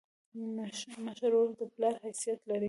مشر ورور د پلار حیثیت لري.